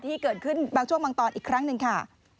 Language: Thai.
ที่เกิดขึ้นบางช่วงบางตอนอีกครั้งหนึ่งค่ะ